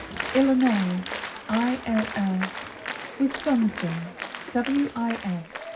Illinois, Ill. Wisconsin, Wis.